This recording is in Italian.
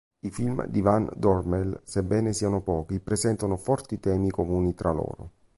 I film di Van Dormael, sebbene siano pochi, presentano forti temi comuni tra loro.